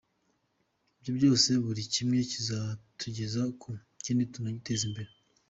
Ibyo byose buri kimwe kizatugeza ku kindi tugatera imbere.